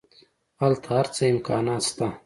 هلته هر څه امکانات شته.